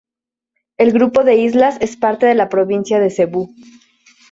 El grupo de islas es parte de la provincia de Cebú.